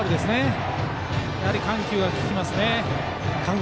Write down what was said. やはり緩急が効きますね。